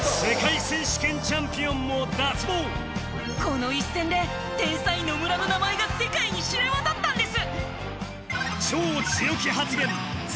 この一戦で天才野村の名前が世界に知れ渡ったんです！